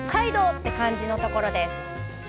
って感じのところです。